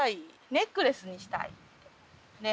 ネックレスにしたい。ね。